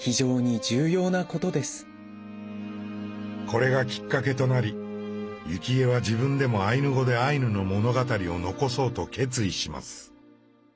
これがきっかけとなり幸恵は自分でもアイヌ語でアイヌの物語を残そうと決意します。